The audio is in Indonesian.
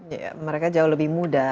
ya mereka jauh lebih muda